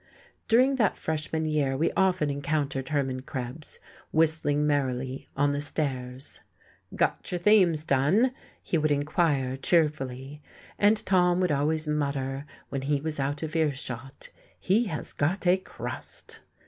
During that freshman year we often encountered Hermann Krebs, whistling merrily, on the stairs. "Got your themes done?" he would inquire cheerfully. And Tom would always mutter, when he was out of earshot: "He has got a crust!"